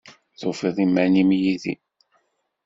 Tufiḍ iman-im yid-i?